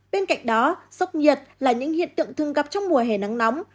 bên cạnh đó sốc nhiệt là những hiện tượng thường gặp trong mùa hè nắng nóng